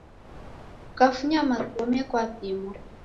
Kukafunya magome, kwapimwa.